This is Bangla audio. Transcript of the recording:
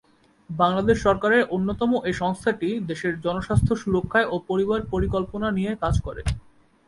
বাংলাদেশ সরকারের অন্যতম এ সংস্থাটি দেশের জনস্বাস্থ্য সুরক্ষায় ও পরিবার পরিকল্পনা নিয়ে কাজ করে।